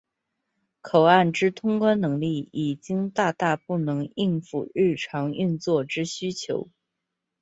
口岸之通关能力已经大大不能应付日常运作之需求。